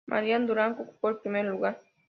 Mariah Duran ocupó el primer lugar.